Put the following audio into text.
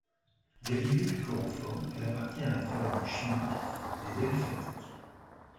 Dérivée du chloroforme, elle appartient à la famille chimique des aliphatiques.